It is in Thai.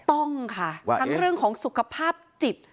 ต้องค่ะทั้งเรื่องของสุขภาพจิต